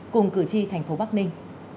cùng cử tri thành phố bắc ninh